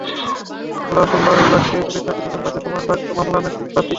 এলা শুনবার লাগছি, পুলিশ নাকি দুজন বাদে ওমারগুলাক মামলা থাকি বাদ দিছে।